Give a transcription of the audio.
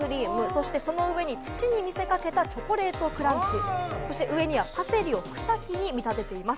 そしてその上に土と見せかけたチョコレートクランチ、そして上にはパセリを草木に見立てています。